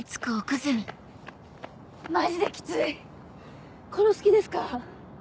マジでキツい殺す気ですか？